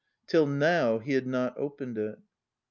Till now he had not opened it.